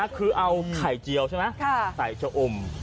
คือเอาไข่เจียวใช่ไหมใส่ชะอุ่ม